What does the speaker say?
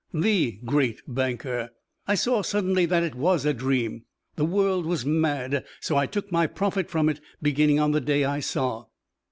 The great banker. I saw, suddenly, that it was a dream. The world was mad. So I took my profit from it, beginning on the day I saw."